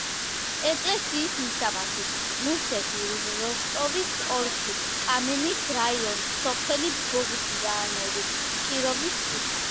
ეკლესიის მისამართი: რუსეთი, როსტოვის ოლქი, კამენის რაიონი, სოფელი ბოგდანოვი, კიროვის ქუჩა.